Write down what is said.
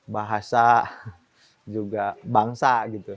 bahasa juga bangsa